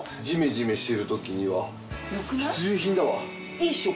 いいっしょ？